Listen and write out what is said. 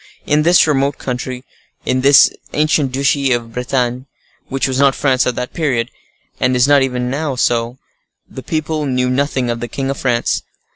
In this remote country, in this ancient duchy of Bretagne, which was not France at that period, and is not so even now, the people knew nothing of the king of France.